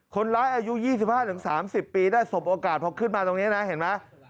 อายุ๒๕๓๐ปีได้สบโอกาสพอขึ้นมาตรงนี้นะเห็นไหม